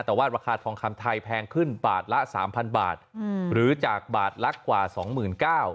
แต่ว่าราคาทองคำไทยแพงขึ้นบาทละสามพันบาทหรือจากบาทละกว่าสองหมื่นเก้า